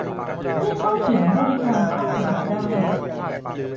เพื่อเข้าถึงบริการภาครัฐได้